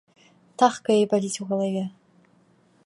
Тахкае і баліць у галаве.